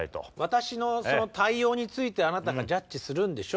私の対応についてあなたがジャッジするんでしょ？